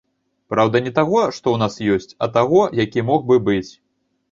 Праўда, не таго, што ў нас ёсць, а таго, які мог бы быць.